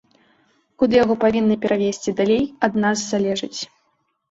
Куды яго павінны перавесці далей, ад нас залежыць.